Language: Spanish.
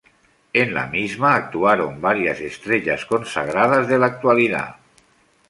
En la misma, actuaron varias estrellas consagradas de la actualidad.